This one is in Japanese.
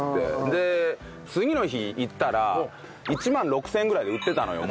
で次の日行ったら１万６０００円ぐらいで売ってたのよもう。